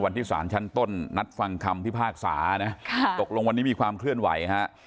วันที่สารชั้นต้นนัดฟังคำพิพากษานะตกลงวันนี้มีความเคลื่อนไหวฮะ